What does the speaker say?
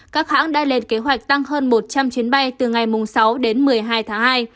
các hãng đã lên kế hoạch tăng hơn một trăm linh chuyến bay từ ngày sáu đến một mươi hai tháng hai